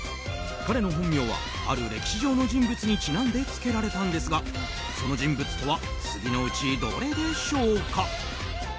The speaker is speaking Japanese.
彼の本名は、ある歴史上の人物にちなんでつけられたんですがその人物とは次のうちどれでしょうか？